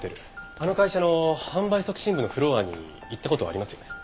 あの会社の販売促進部のフロアに行った事ありますよね？